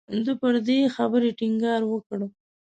ده پر دې خبرې ټینګار وکړ.